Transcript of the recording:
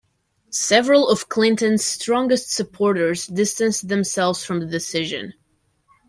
Several of Clinton's strongest supporters distanced themselves from the decision.